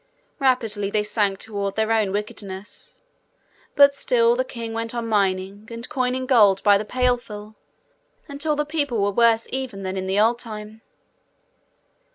Rapidly they sank toward their old wickedness. But still the king went on mining, and coining gold by the pailful, until the people were worse even than in the old time.